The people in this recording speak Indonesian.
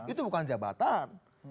itu bukan jabatan